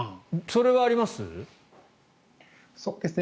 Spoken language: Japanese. それはあります？